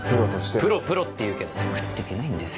プロプロっていうけど食ってけないんですよ